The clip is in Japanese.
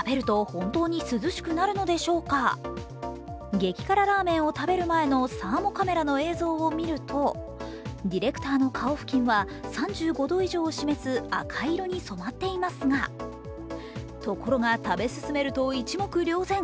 激辛ラーメンを食べる前のサーモカメラの映像を見るとディレクターの顔付近は３５度以上を示す赤色に染まっていますがところが食べ進めると一目瞭然。